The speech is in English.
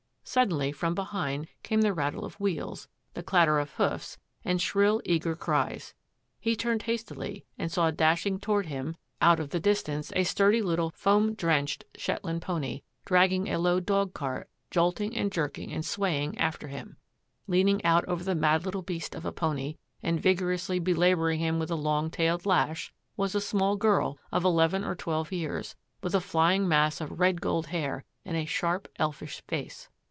Suddenly from behind came the rattle of wheels, the clatter of hoofs, and shrill, eager cries. He turned hastily and saw dashing toward him out MAVIS 87 of the distance a sturdy little foam drenched Shetland pony, dragging a low dog cart jolting and jerking and swaying aiter him. Leaning out over the mad little beast of a pony and vigorously belabouring him with a long tailed lash was a small girl of eleven or twelve years, with a flying mass of red gold hair and a sharp, elfish face.